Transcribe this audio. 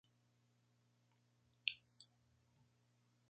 El campeonato otorga dos ascensos.